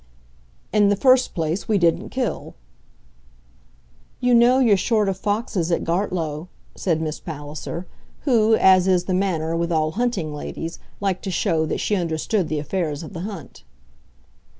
"In the first place we didn't kill." "You know you're short of foxes at Gartlow," said Miss Palliser, who, as is the manner with all hunting ladies, liked to show that she understood the affairs of the hunt.